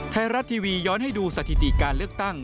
ไทยรัฐทีวีย้อนให้ดูสถิติการเลือกตั้ง